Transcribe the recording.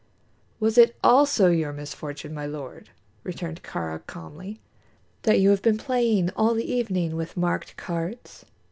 "Was it also your misfortune, my lord," returned Kāra, calmly, "that you have been playing all the evening with marked cards?